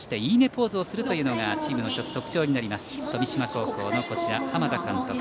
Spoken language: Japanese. ポーズをするというのがチームの特徴になります富島高校の浜田監督。